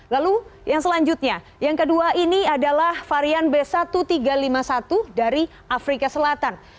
lalu yang selanjutnya yang kedua ini adalah varian b satu tiga lima satu dari afrika selatan